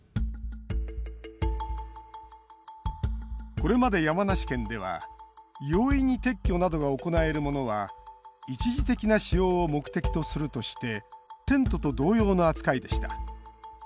これまで山梨県では容易に撤去などが行えるものは一時的な使用を目的とするとしてテントと同様の扱いでした。